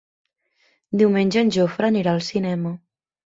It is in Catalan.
Diumenge en Jofre anirà al cinema.